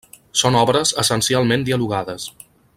Són obres essencialment dialogades.